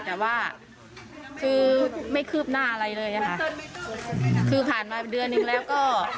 แต่ว่าคือไม่คืบหน้าอะไรเลยค่ะคือผ่านมาเดือนหนึ่งแล้วก็คือ